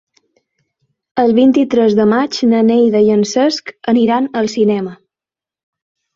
El vint-i-tres de maig na Neida i en Cesc aniran al cinema.